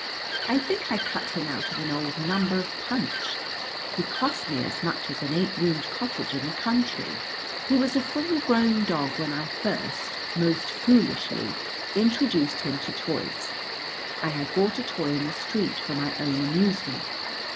I think I cut him out of an old number of Punch. He costs me as much as an eight roomed cottage in the country. He was a full grown dog when I first, most foolishly, introduced him to toys. I had bought a toy in the street for my own amusement.